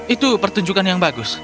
itu pertunjukan yang bagus